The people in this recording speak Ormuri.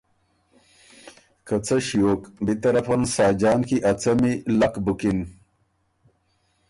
که څۀ ݭیوک، بی طرفن ساجان کی ا څمی لک بُکِن